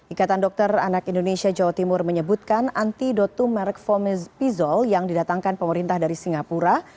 ikatan dokter anak indonesia jawa timur menyebutkan antidotum merek fomezpizol yang didatangkan pemerintah dari singapura